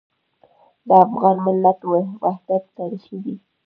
د افغان ملت وحدت تاریخي دی.